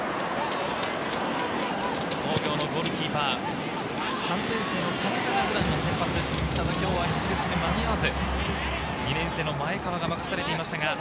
津工業のゴールキーパー、３年生の田中が普段は先発、ただ手術で間に合わず、２年生の前川が任されていました。